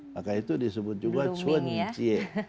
maka itu disebut juga cuen cie